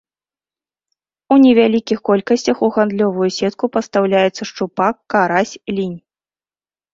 У невялікіх колькасцях у гандлёвую сетку пастаўляецца шчупак, карась, лінь.